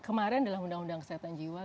kemarin dalam undang undang kesehatan jiwa